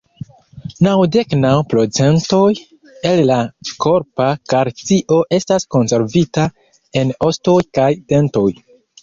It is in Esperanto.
Naŭdek naŭ procentoj el la korpa kalcio estas konservita en ostoj kaj dentoj.